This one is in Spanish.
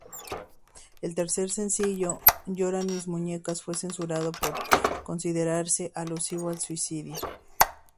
El tercer sencillo, "Lloran mis muñecas", fue censurado por considerarse alusivo al suicidio.